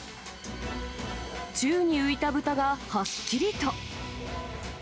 宙に浮いた豚が、はっきりと。